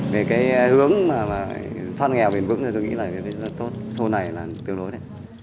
về hướng thoát nghèo bền vững thì tôi nghĩ là thôn này là tiêu đối